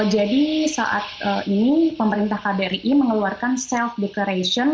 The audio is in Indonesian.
jadi saat ini pemerintah kbri mengeluarkan self declaration